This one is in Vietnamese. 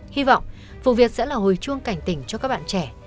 hy vọng vụ việc sẽ là hồi chuông cảnh tỉnh cho các bạn trẻ